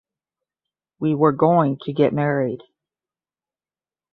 We were going to get married.